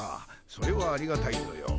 それはありがたいぞよ。